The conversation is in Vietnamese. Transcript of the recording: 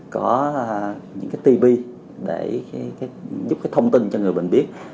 có những cái tv để giúp cái thông tin cho người bệnh biết